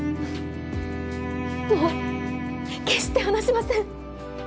もう決して離しません